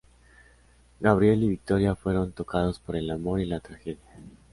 Gabriel y Victoria fueron tocados por el amor y la tragedia.